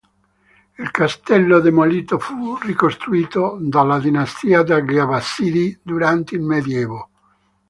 Il castello demolito fu ricostruito dalla dinastia degli Abbasidi durante il Medioevo.